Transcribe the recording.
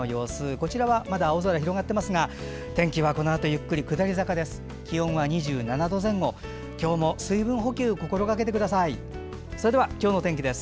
こちらはまだ青空が広がっていますが天気はこのあとゆっくり下り坂です。